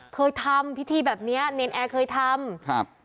เธอทำพิธีแบบนี้เณรแอ่เคยทำ